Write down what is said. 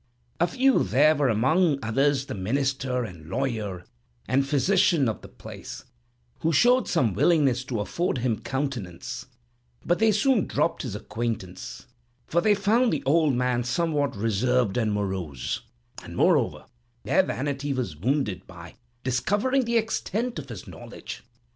A few there were, and among others the minister, and lawyer, and physician of the place, who showed some willingness to afford him countenance; but they soon dropped his acquaintance, for they found the old man somewhat reserved and morose, and, moreover, their vanity was wounded by discovering the extent of his knowledge.